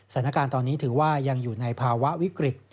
สถานการณ์ตอนนี้ถือว่ายังอยู่ในภาวะวิกฤต